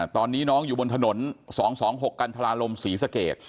ตอนนี้น้องอยู่บนถนนสองสองหกกันทราลมศรีสะเกต